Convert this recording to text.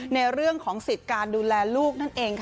ในเรื่องของสิทธิ์การดูแลลูก